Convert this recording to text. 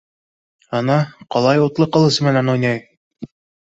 Ана ҡалай утлы ҡылысы менән уйнай!